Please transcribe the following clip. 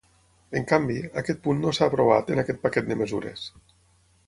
En canvi, aquest punt no s’ha aprovat en aquest paquet de mesures.